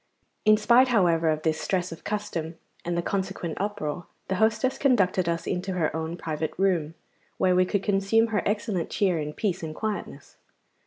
In spite, however, of this stress of custom and the consequent uproar, the hostess conducted us into her own private room, where we could consume her excellent cheer in peace and quietness.